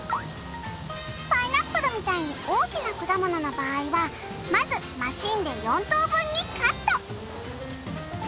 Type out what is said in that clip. パイナップルみたいに大きな果物の場合はまずマシンで４等分にカット！